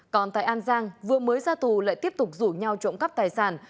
còn tại an giang vừa mới ra tù lại tiếp tục rủ nhau trộm cắp tài sản